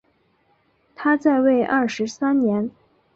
他在位二十三年。